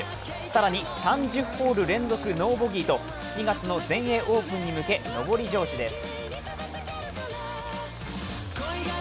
更に、３０ホール連続ノーボギーと７月の全英オープンに向け上り調子です。